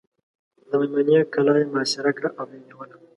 د مېمنې کلا یې محاصره کړه او ویې نیوله.